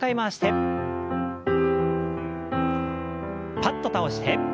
パッと倒して。